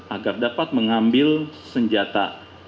agar dapat mengambil senjata